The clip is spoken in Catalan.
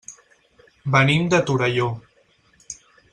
Venim de Torelló.